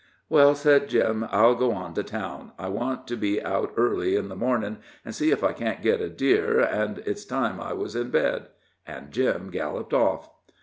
"Well," said Jim, "I'll go on to town. I want to be out early in the mornin' an' see ef I can't get a deer, an' it's time I was in bed." And Jim galloped off.